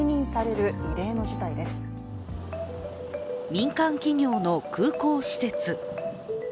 民間企業の空港施設。